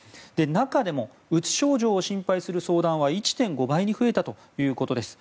中でもうつ症状を心配する相談は１．５倍に増えたということです。